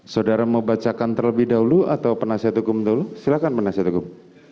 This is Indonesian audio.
saudara mau bacakan terlebih dahulu atau penasihat hukum dulu silahkan penasihat hukum